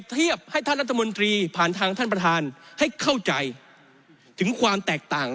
ที่ผ่านทางท่านประธานให้เข้าใจถึงความแตกต่าง